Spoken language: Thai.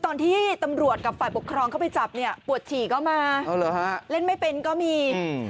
ตอนที่ตำรวจกับฝ่ายปกครองเข้าไปจับเนี่ยปวดฉี่ก็มาอ๋อเหรอฮะเล่นไม่เป็นก็มีอืม